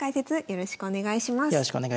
よろしくお願いします。